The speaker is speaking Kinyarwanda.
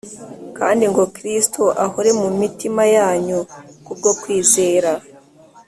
kandi ngo Kristo ahore mu mitima yanyu ku bwo kwizera